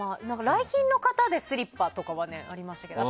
来賓の方でスリッパとかはありましたけど。